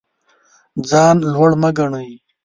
ځان لوړ مه ګڼئ.